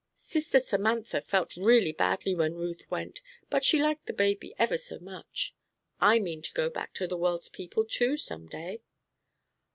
Sister Samantha felt real badly when Ruth went, but she liked the baby ever so much. I mean to go back to the world's people too, some day."